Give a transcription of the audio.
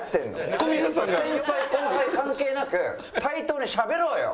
先輩後輩関係なく対等にしゃべろうよ！